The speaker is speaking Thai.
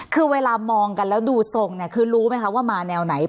คือเวลามองกันแล้วดูทรงเนี่ยคือรู้ไหมคะว่ามาแนวไหน